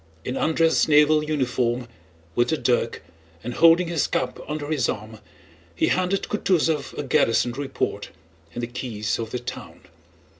In undress naval uniform, with a dirk, and holding his cap under his arm, he handed Kutúzov a garrison report and the keys of the town.